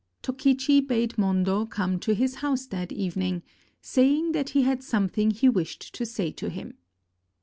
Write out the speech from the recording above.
Tokichi bade Mondo come to his house that evening, saying that he had something he wished to say to him.